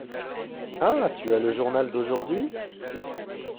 Ah ! tu as le journal d’aujourd’hui ?